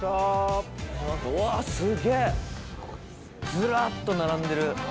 ずらっと並んでる！